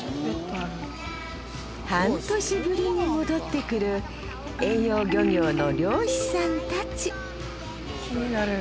半年ぶりに戻ってくる遠洋漁業の漁師さんたち気になる。